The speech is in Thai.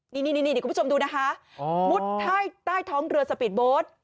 นี่นี่นี่นี่คุณผู้ชมดูนะคะอ๋อมุดใต้ใต้ท้องเรือสปีดโบสต์